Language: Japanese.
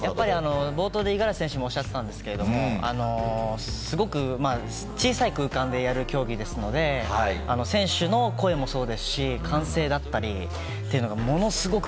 冒頭で五十嵐選手もおっしゃったんですけれどもすごく小さい空間でやる競技ですので選手の声もそうですし歓声だったりというのがものすごく。